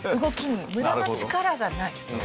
動きに無駄な力がない。